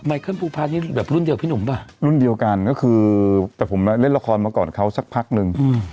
อ่ะนี่แบบรุ่นเดียวกับผู้หนุ่มเปล่ารุ่นเดียวกันก็คือแต่ผมและเล่นละครมาก่อนเขาสักพักนึง